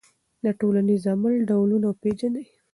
د ټولنیز عمل ډولونه وپېژنئ.